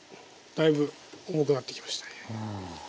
だいぶ重くなってきましたね。